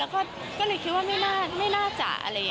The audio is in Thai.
ก็เลยคิดว่าไม่น่าจะ